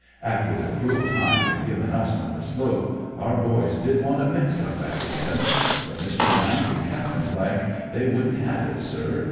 After the cruel time they'd given us on the slope, our boys did want a mix up at the end; but Mr. and Captain they wouldn't have it, sir.